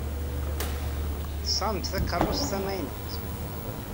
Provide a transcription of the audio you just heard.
Tesɣam-d takeṛṛust tamaynut?